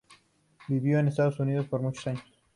Vivió en Estados Unidos por muchos años.